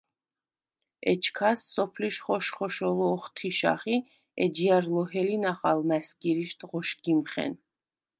ეჩქას სოფლიშ ხოშ-ხოშოლუ ოხთიშახ ი ეჯჲა̈რ ლოჰელინახ ალმა̈სგირიშდ ღოშგიმხენ.